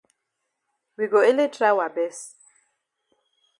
We go ele try wa best.